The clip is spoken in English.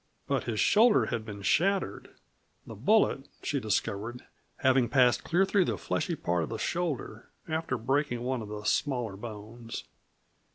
But his shoulder had been shattered, the bullet, she discovered, having passed clear through the fleshy part of the shoulder, after breaking one of the smaller bones.